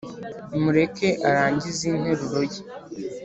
mureke arangize interuro ye